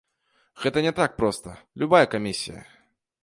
Гэта не так проста, любая камісія.